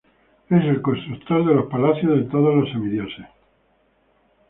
Es el constructor de los palacios de todos los semidioses.